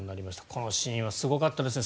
このしーんはすごかったですね。